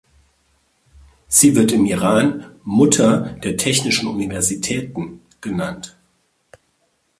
Sie wird im Iran „Mutter der technischen Universitäten“ genannt.